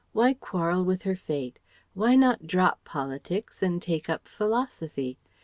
Why quarrel with her fate? Why not drop politics and take up philosophy?